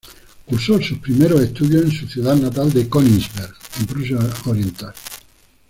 Cursó sus primeros estudios en su ciudad natal de Königsberg en Prusia Oriental.